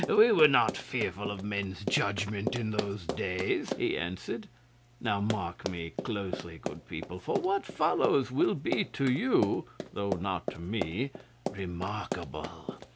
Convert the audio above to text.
'We were not fearful of men's judgment in those days,' he answered. 'Now mark me closely, good people, for what follows will be to you, though not to me, remarkable.